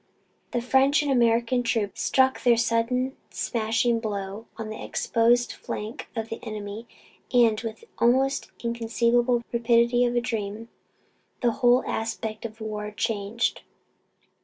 The French and the American troops struck their sudden smashing blow on the exposed flank of the enemy and, with the almost inconceivable rapidity of a dream, the whole aspect of the war changed.